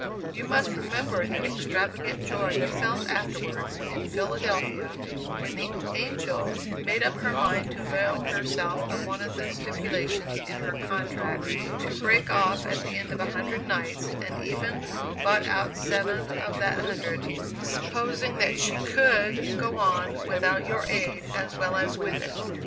You must remember the extravagant joy you felt afterwards, in Philadelphia, when the 'Angel' made up her mind to avail herself of one of the stipulations in her contract, to break off at the end of a hundred nights, and even bought out seven of that hundred supposing that she could go on without your aid as well as with it.